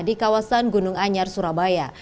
di kawasan gunung anyar surabaya